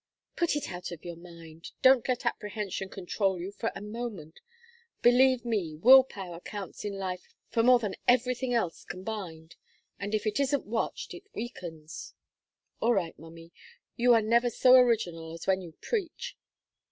"Put it out of your mind; don't let apprehension control you for a moment. Believe me, will power counts in life for more than everything else combined, and if it isn't watched it weakens." "All right, mummy. You are never so original as when you preach.